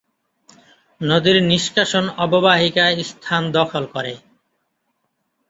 নদীর নিষ্কাশন অববাহিকা স্থান দখল করে।